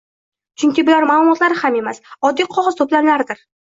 Chunki bular maʼlumot ham emas, oddiy qogʻoz toʻplamlaridir.